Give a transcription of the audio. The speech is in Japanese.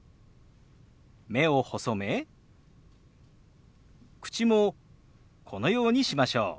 目を細め口もこのようにしましょう。